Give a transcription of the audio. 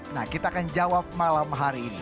nah kita akan jawab malam hari ini